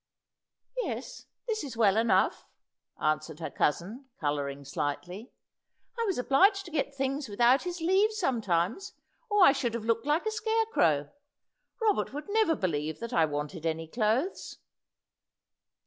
"Yes, this is well enough," answered her cousin, colouring slightly. "I was obliged to get things without his leave sometimes, or I should have looked like a scarecrow. Robert would never believe that I wanted any clothes."